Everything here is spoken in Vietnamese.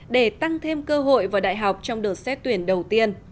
để tăng thêm cơ hội vào đại học trong đợt xét tuyển đầu tiên